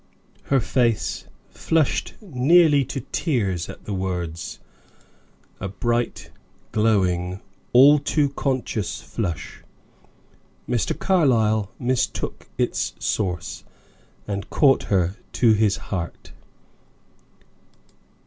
Her face flushed nearly to tears at the words; a bright, glowing, all too conscious flush. Mr. Carlyle mistook its source, and caught her to his heart.